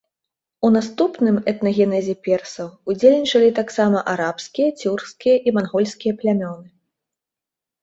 У наступным этнагенезе персаў удзельнічалі таксама арабскія, цюркскія і мангольскія плямёны.